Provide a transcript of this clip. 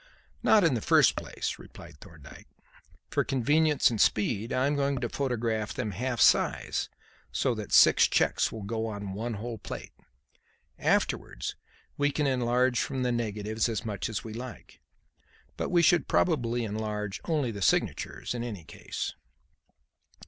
"Not in the first place," replied Thorndyke. "For convenience and speed I am going to photograph them half size, so that six cheques will go on one whole plate. Afterwards we can enlarge from the negatives as much as we like. But we should probably enlarge only the signatures in any case."